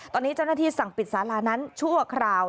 ตอนนี้เจ้าหน้าที่สั่งปิดสารานั้นชั่วคราว